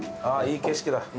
ああいい景色だ。